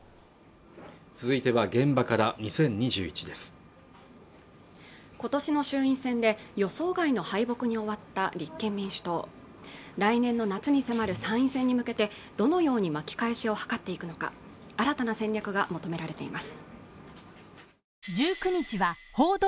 続いては「現場から２０２１」です今年の衆院選で予想外の敗北に終わった立憲民主党来年の夏に迫る参院選に向けてどのように巻き返しを図っていくのか新たな戦略が求められています